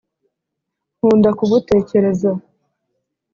nkunda kugutekereza